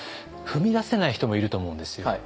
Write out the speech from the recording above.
踏み出せない人もいると思うんですよ。